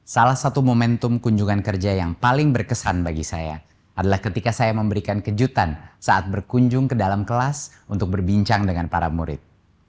salah satu momentum kunjungan kerja yang paling berkesan bagi saya adalah ketika saya memberikan kejutan saat berkunjung ke dalam kelas untuk berbincang dengan para murid